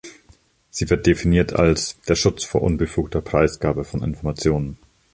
Sie wird definiert als „der Schutz vor unbefugter Preisgabe von Informationen“.